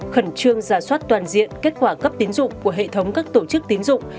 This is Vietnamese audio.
khẩn trương giả soát toàn diện kết quả cấp tín dụng của hệ thống các tổ chức tín dụng